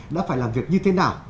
đã phải làm việc như thế nào